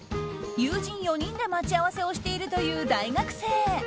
友人４人で、待ち合わせをしているという大学生。